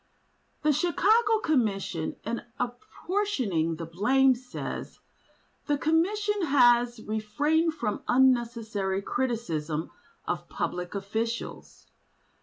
The Chicago Commission in apportioning the blame, says: "The Commission has refrained from unnecessary criticism of public officials.